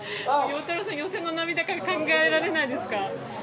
陽太郎さん、予選からは考えられないですか。